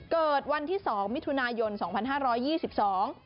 เกิดวันที่สองมิถุนายนสองพันห้าร้อยยี่สิบสอง